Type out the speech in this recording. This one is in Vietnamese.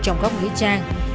ngày ba tháng sáu